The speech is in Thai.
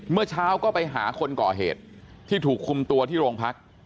เมื่อเช้าก็ไปหาคนก่อเหตุที่ถูกคุมตัวที่โรงพัก